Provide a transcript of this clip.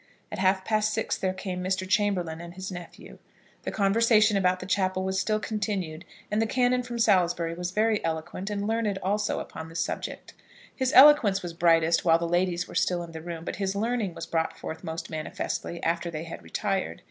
At half past six there came Mr. Chamberlaine and his nephew. The conversation about the chapel was still continued, and the canon from Salisbury was very eloquent, and learned also, upon the subject. His eloquence was brightest while the ladies were still in the room, but his learning was brought forth most manifestly after they had retired.